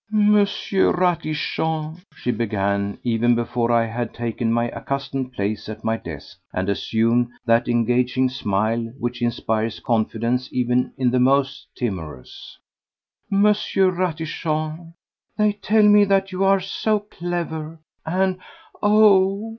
"Monsieur Ratichon," she began, even before I had taken my accustomed place at my desk and assumed that engaging smile which inspires confidence even in the most timorous; "Monsieur Ratichon, they tell me that you are so clever, and—oh!